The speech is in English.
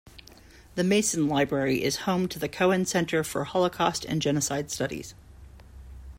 The Mason Library is home to the Cohen Center for Holocaust and Genocide Studies.